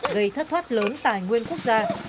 gây thất thoát lớn tài nguyên quốc gia